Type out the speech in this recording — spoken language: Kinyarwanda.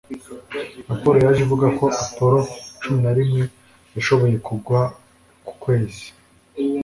raporo yaje ivuga ko apollo cumi na rimwe yashoboye kugwa ku kwezi